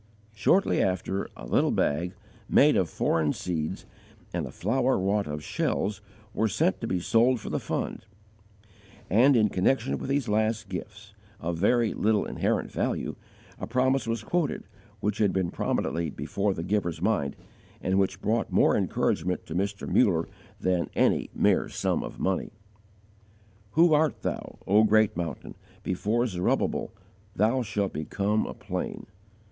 Shortly after, a little bag, made of foreign seeds, and a flower wrought of shells, were sent to be sold for the fund; and, in connection with these last gifts, of very little inherent value, a promise was quoted, which had been prominently before the giver's mind, and which brought more encouragement to Mr. Muller than any mere sum of money: "Who art thou, O great mountain? Before Zerubbabel, thou shalt become a plain!"